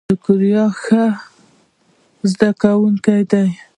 ذکریا ښه زده کونکی دی.